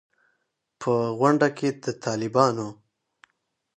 په غونډه کې د طالبانو